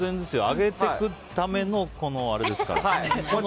上げていくためのあれですから。